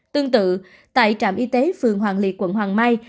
tương tự tại trạm y tế phường hoàng liệt quận hoàng mai